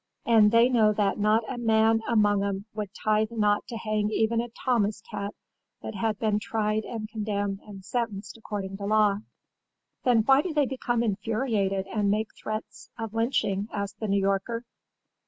And they know that not a man among 'em would tie the knot to hang even a Thomas cat that had been tried and condemned and sentenced according to law." "Then why do they become infuriated and make threats of lynching?" asked the New Yorker.